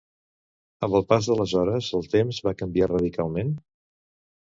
Amb el pas de les hores, el temps va canviar radicalment?